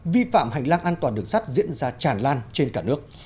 vi phạm hành lang an toàn đường sắt diễn ra tràn lan trên cả nước